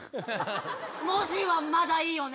文字はまだいいよね？